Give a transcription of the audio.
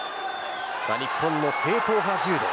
日本の正統派柔道。